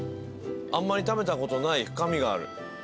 あんまり食べたことない深みがある。